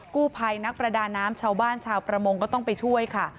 กู้ภัยนักประดาน้ำชาวบ้านชาวประมงก็ต้องไปช่วยค่ะ